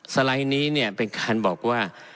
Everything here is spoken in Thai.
สไลด์นี้เป็นการบอกว่า